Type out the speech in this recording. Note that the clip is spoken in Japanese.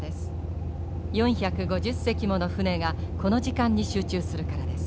４５０隻もの船がこの時間に集中するからです。